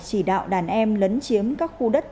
chỉ đạo đàn em lấn chiếm các khu đất